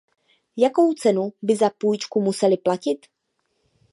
Jakou cenu by za půjčku musely platit?